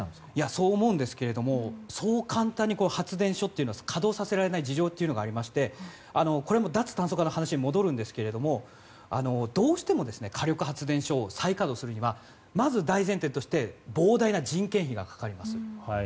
そう思うんですがそう簡単に発電所を稼働させられない事情がありまして脱炭素化の話に戻りますがどうしても火力発電所を再稼働するにはまず大前提として膨大な人件費がかかります。